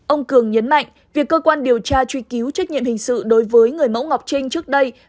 ông cường nhấn mạnh việc cơ quan điều tra truy cứu trách nhiệm hình sự đối với người mẫu ngọc trinh trước đây